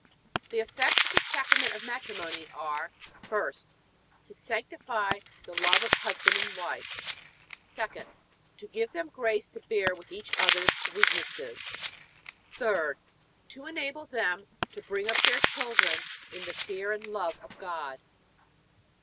The effects of the Sacrament of Matrimony are: 1st, To sanctify the love of husband and wife; 2d, To give them grace to bear with each other's weaknesses; 3d, To enable them to bring up their children in the fear and love of God.